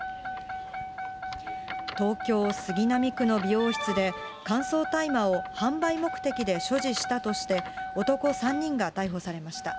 東京・杉並区の美容室で、乾燥大麻を販売目的で所持したとして、男３人が逮捕されました。